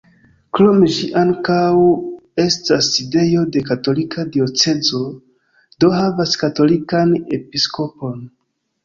Krome ĝi ankaŭ estas sidejo de katolika diocezo, do havas katolikan episkopon.